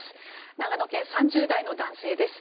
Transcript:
長野県、３０代の男性です。